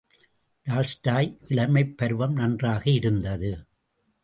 Tolstoy இளமைப் பருவம் நன்றாக இருந்தது.